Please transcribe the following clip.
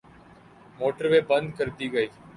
Motorway بند کردی گئی۔